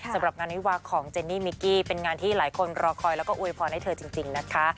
สำหรับงานวิวาของเจนนี่มิกกี้เป็นงานที่หลายคนรอคอยแล้วก็อวยพรให้เธอจริงนะคะ